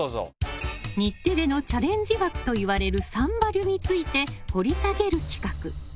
日テレのチャレンジ枠といわれる「サンバリュ」について掘り下げる企画。